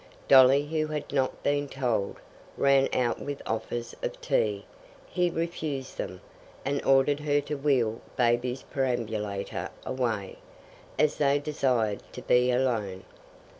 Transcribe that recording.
Dolly, who had not been "told," ran out with offers of tea. He refused them, and ordered her to wheel baby's perambulator away, as they desired to be alone.